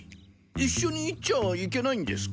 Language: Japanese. いっしょに行っちゃいけないんですか？